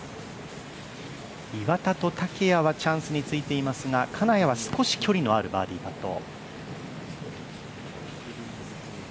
岩田と竹谷はチャンスについていますが金谷は少し距離のあるバーディーパット。